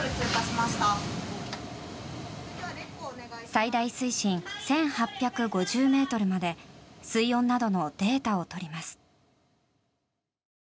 最大水深１８５０ｍまで水温などのデータを取ります。